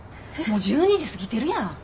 もう１２時過ぎてるやん。